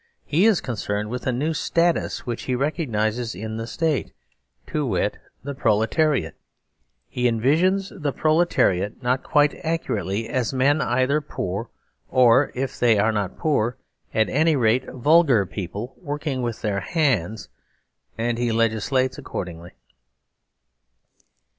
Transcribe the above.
He is concerned with anewstatuswhichherecognises in the State, to wit, the proletariat. He envisages the proletariat not quiteaccuratelyasmen either poor, or, if they are not poor, at any rate vulgar people working with their hands, and he legislates accordingly.